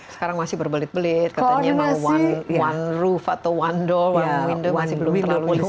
sekarang masih berbelit belit katanya satu roof atau satu dollar satu meter setelah itu berganti ganti gitu kan